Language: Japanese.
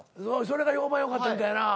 それが評判よかったみたいやな。